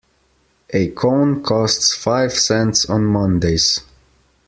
A cone costs five cents on Mondays.